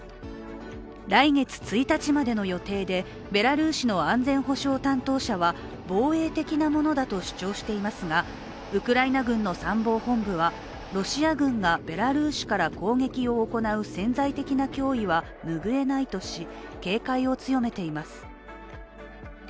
来月１日までの予定で、ベラルーシの安全保障担当者は防衛的なものだと主張していますがウクライナ軍の参謀本部は、ロシア軍がベラルーシから攻撃を行う潜在的な脅威は拭えないとし、警戒を強めています。